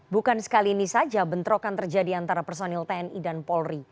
bukan sekali ini saja bentrokan terjadi antara personil tni dan polri